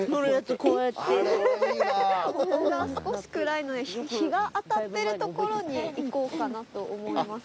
ここが少し暗いので日が当たってるところに行こうかなと思います。